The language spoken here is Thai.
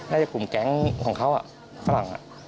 น่าจะกลุ่มแคล้งของเขาอ่ะ